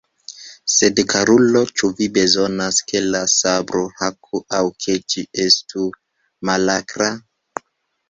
Sed, karulo, ĉu vi bezonas, ke la sabro haku, aŭ ke ĝi estu malakra?